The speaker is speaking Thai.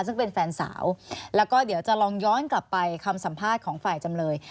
ซึ่งเป็นแฟนสาวแล้วก็เดี๋ยวจะลองย้อนกลับไปคำสัมภาษณ์ของฝ่ายจำเลย